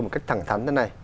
một cách thẳng thắn thế này